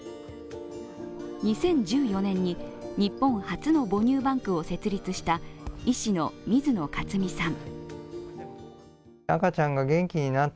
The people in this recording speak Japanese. ２０１４年に日本初の母乳バンクを設立した医師の水野克己さん。